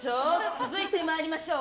続いてまいりましょう。